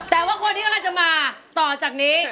แต่ว่าคนที่กำลังจะมาต่อจากนี้